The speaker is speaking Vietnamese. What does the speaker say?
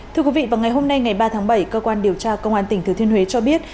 thưa quý vị vào ngày hôm nay ngày ba tháng bảy cơ quan điều tra công an tỉnh thừa thiên huế cho biết